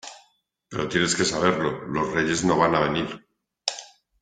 pero tienes que saberlo. los Reyes no van a venir .